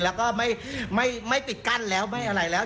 แล้วก็ไม่ปิดกั้นแล้วไม่อะไรแล้ว